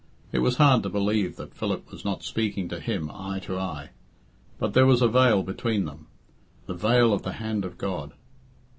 It was hard to believe that Philip was not speaking to him eye to eye. But there was a veil between them, the veil of the hand of God.